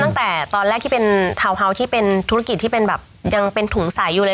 ตั้งแต่ตอนแรกที่เป็นทาวน์เฮาส์ที่เป็นธุรกิจที่เป็นแบบยังเป็นถุงใสอยู่เลย